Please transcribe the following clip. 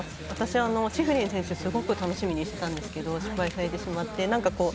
私はシフリン選手すごく楽しみにしてたんですけど失敗されてしまって。